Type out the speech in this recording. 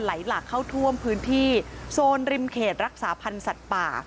ไหลหลากเข้าท่วมพื้นที่โซนริมเขตรักษาพันธ์สัตว์ป่า